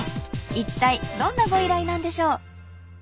一体どんなご依頼なんでしょう？